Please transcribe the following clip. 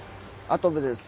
跡部です。